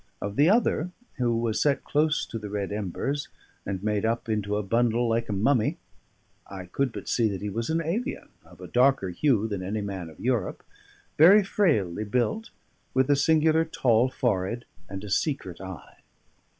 Of the other, who was set close to the red embers, and made up into a bundle like a mummy, I could but see that he was an alien, of a darker hue than any man of Europe, very frailly built, with a singular tall forehead, and a secret eye.